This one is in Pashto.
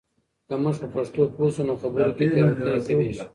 که موږ په پښتو پوه شو، نو خبرو کې تېروتنې کمېږي.